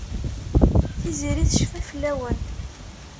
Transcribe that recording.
Tiziri tecfa fell-awen.